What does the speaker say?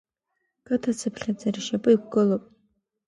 Қыҭацԥхьаӡа ршьапы иқәгылоуп.